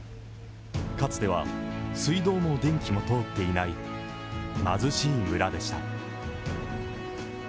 かつては水道も電気も通っていない貧しい村でした。